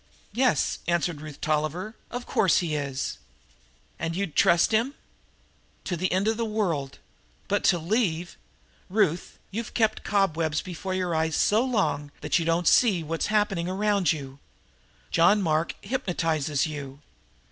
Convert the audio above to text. "Yes," answered Ruth Tolliver, "of course he is." "And you'd trust him?" "To the end of the world. But to leave " "Ruth, you've kept cobwebs before your eyes so long that you don't see what's happening around you. John Mark hypnotizes you.